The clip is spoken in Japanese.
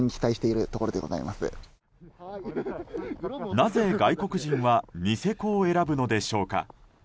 なぜ外国人はニセコを選ぶのでしょうか。